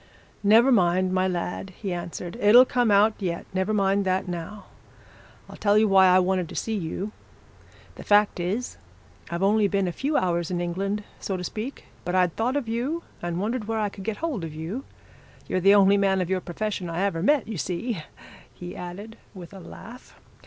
'Never mind, my lad!' he answered. 'It'll come out yet. Never mind that, now. I'll tell you why I wanted to see you. The fact is, I've only been a few hours in England, so to speak, but I'd thought of you, and wondered where I could get hold of you you're the only man of your profession I ever met, you see,' he added, with a laugh.